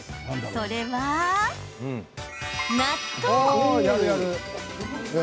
それは、納豆。